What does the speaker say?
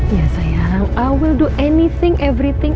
ya sayang aku akan melakukan apa pun